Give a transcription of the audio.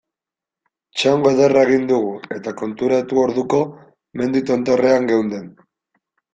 Txango ederra egin dugu eta konturatu orduko mendi tontorrean geunden.